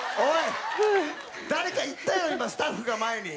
誰か行ったよ、今スタッフが前に。